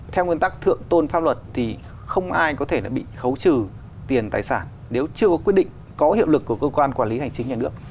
theo nguyên tắc thượng tôn pháp luật thì không ai có thể đã bị khấu trừ tiền tài sản nếu chưa có quyết định có hiệu lực của cơ quan quản lý hành chính nhà nước